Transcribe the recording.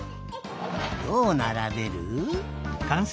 どうならべる？